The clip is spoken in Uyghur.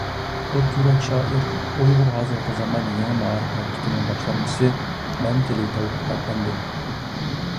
ئوت يۈرەك شائىر، ئۇيغۇر ھازىرقى زامان يېڭى مائارىپ ھەرىكىتىنىڭ باشلامچىسى مەمتىلى تەۋپىق ئەپەندى.